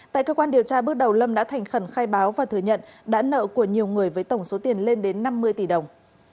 tại cơ quan điều tra bước đầu lâm đã thành khẩn khai báo và thừa nhận đã nợ của nhiều người với tổng số tiền lên đến năm mươi tỷ đồng